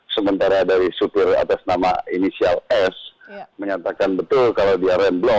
sementara dari supir atas nama inisial s menyatakan betul kalau dia remblong